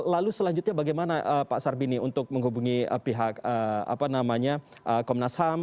lalu selanjutnya bagaimana pak sarbini untuk menghubungi pihak komnas ham